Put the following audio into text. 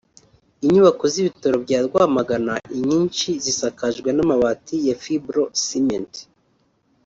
Inyubako z’ibitaro bya Rwamagana inyinshi zisakajwe amabati ya Fibro Ciment